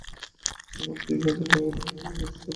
তোমরা দুই গাধা বাবার হয়ে কাজ করো?